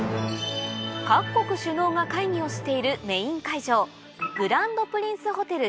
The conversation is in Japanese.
各国首脳が会議をしているグランドプリンスホテル